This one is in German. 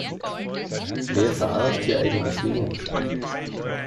Wer verarscht hier eigentlich wen?